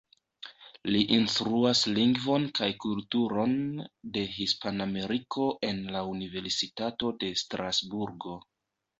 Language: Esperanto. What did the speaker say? Li instruas lingvon kaj kulturon de Hispanameriko en la Universitato de Strasburgo.